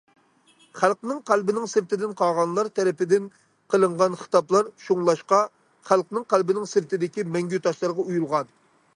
خەلقنىڭ قەلبىنىڭ سىرتىدىن قاغانلار تەرىپىدىن قىلىنغان خىتابلار شۇڭلاشقا خەلقنىڭ قەلبىنىڭ سىرتىدىكى مەڭگۈ تاشلارغا ئويۇلغان.